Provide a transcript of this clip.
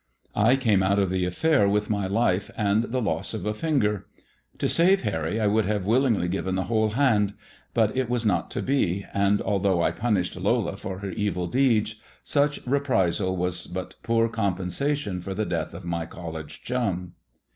I came out of the affair with my life and the loss of a finger. To save Harry I would have given willingly the whole hand. But it was not to be; and although I punished Lola for her evil deeds, such reprisal was but poor compensation for the death of my college chum.